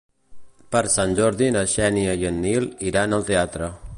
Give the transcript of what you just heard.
Per Sant Jordi na Xènia i en Nil iran al teatre.